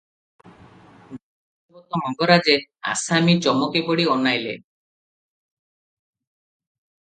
ଦଣ୍ତବତ ମଙ୍ଗରାଜେ!' ଆସାମୀ ଚମକି ପଡ଼ି ଅନାଇଲେ ।